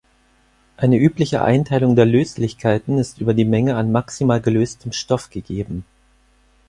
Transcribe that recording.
Eine übliche Einteilung der Löslichkeiten ist über die Menge an maximal gelöstem Stoff gegeben.